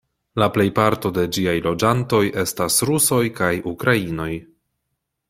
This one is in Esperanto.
La plejparto de ĝiaj loĝantoj estas rusoj kaj ukrainoj.